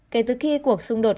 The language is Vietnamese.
kể từ khi cuộc xung đột